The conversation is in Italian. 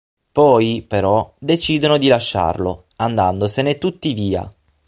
Poi, però, decidono di lasciarlo, andandosene tutti via.